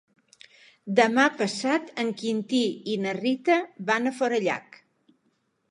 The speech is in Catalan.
Demà passat en Quintí i na Rita van a Forallac.